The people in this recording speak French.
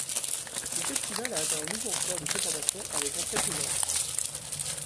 Le festival a atteint un nouveau record de fréquentation avec entrées payantes.